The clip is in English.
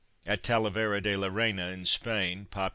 At Talavera de la Reina in Spain (pop.